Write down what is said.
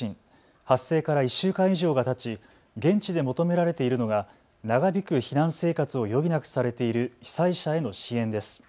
発生から１週間以上がたち現地で求められているのが長引く避難生活を余儀なくされている被災者への支援です。